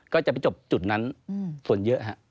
ก็จะไปจบจุดนั้นส่วนเยอะครับ